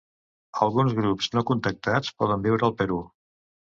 Alguns grups no contactats poden viure al Perú.